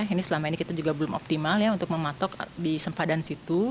ini selama ini kita juga belum optimal ya untuk mematok di sempadan situ